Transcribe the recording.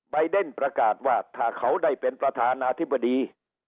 เดนประกาศว่าถ้าเขาได้เป็นประธานาธิบดี